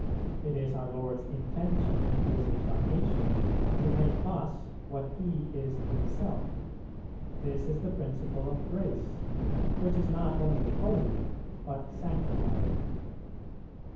It is our Lord's intention in His Incarnation to make us what He is Himself; this is the principle of grace, which is not only holy but sanctifying.